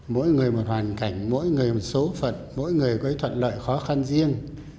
mỗi người một hoàn cảnh mỗi người một số phận mỗi người có thuận lợi khó khăn riêng